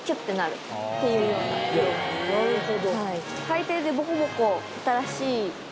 なるほど。